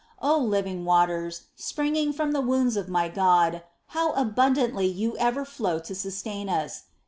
V 6. O living waters, springing from the wounds of my God, how abundantly you ever flow to sustain us